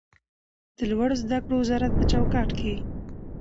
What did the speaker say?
د لوړو زده کړو وزارت په چوکاټ کې